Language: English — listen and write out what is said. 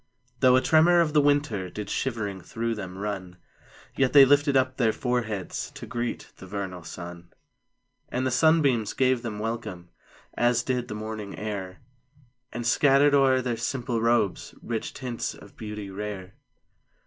5 Though a tremor of the winter Did shivering through them run; Yet they lifted up their foreheads To greet the vernal sun. And the sunbeams gave them welcome. As did the morning air And scattered o'er their simple robes Rich tints of beauty rare.